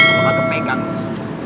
kamu akan kepegang bos